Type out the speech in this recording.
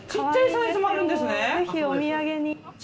ぜひお土産に。